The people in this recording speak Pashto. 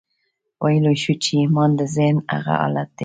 ويلای شو چې ايمان د ذهن هغه حالت دی.